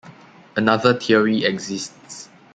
Another theory exists.